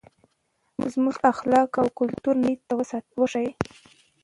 زموږ اخلاق او کلتور نړۍ ته وښایئ.